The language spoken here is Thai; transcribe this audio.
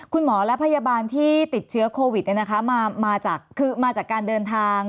คุณหมอและพยาบาลที่ติดเชื้อโควิดมาคือมาจากการเดินทาง